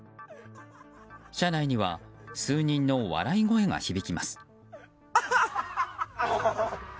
車内には数人の笑い声が響きます。